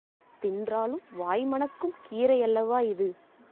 தின்றாலும் வாய் மணக்கும் கீரையல்லவா இது!